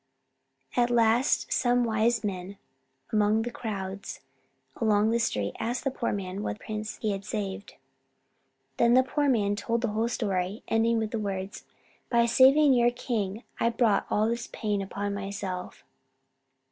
At last some wise men among the crowds along the street asked the poor man what prince he had saved. Then the poor man told the whole story, ending with the words, "By saving your king, I brought all this pain upon myself."